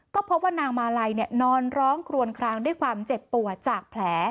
ก็พบว่านางมาลัยนอนร้องครวนคลางด้วยความเจ็บปวดจากแผล